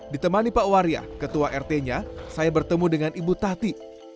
ditemani pak waria ketua rt nya saya bertemu dengan ibu tahti